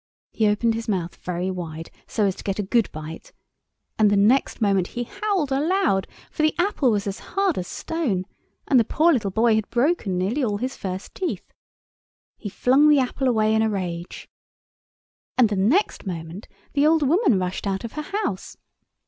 He opened his mouth very wide so as to get a good bite, and the next moment he howled aloud, for the apple was as hard as stone, and the poor little boy had broken nearly all his first teeth. He flung the apple away in a rage, and the next moment the old woman rushed out of her house.